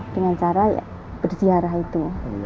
dengan cara berziarah itu